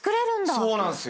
そうなんすよ。